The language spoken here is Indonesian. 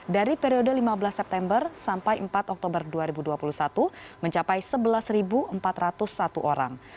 dari periode lima belas september sampai empat oktober dua ribu dua puluh satu mencapai sebelas empat ratus satu orang